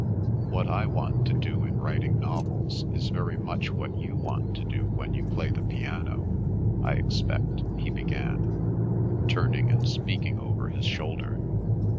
"What I want to do in writing novels is very much what you want to do when you play the piano, I expect," he began, turning and speaking over his shoulder.